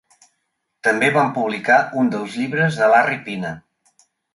També van publicar un dels llibres de Larry Pina.